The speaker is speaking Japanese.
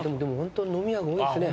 飲み屋が多いですね。